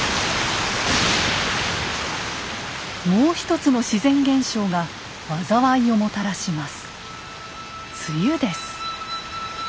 もう一つの自然現象が災いをもたらします。